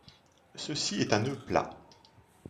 Ceci est un nœud plat